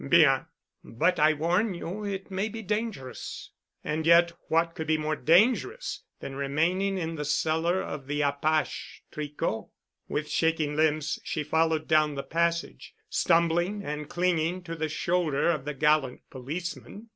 "Bien. But I warn you it may be dangerous." And yet what could be more dangerous than remaining in the cellar of the apache, Tricot? With shaking limbs she followed down the passage, stumbling and clinging to the shoulder of the gallant policeman.